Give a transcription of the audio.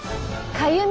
かゆみ。